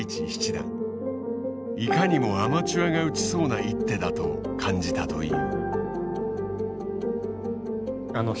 いかにもアマチュアが打ちそうな一手だと感じたという。